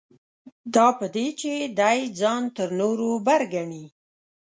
دا په دې چې دی ځان تر نورو بر ګڼي.